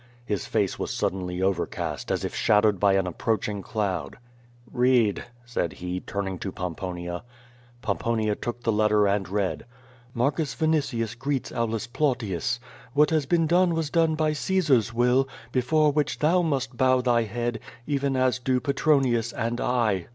His face was suddenly overcast, as if shadowed by an ap proaching cloud. "Read," said he, turning to Pomponia. Pomponia took the letter and read: ^Ttfarcus Vinitius greets Aulus Plautius. What has been done was done by Caesar's will, before which thou must bow thy head, even as do Petronius and I."